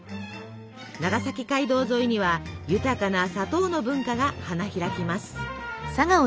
長崎街道沿いには豊かな砂糖の文化が花開きます。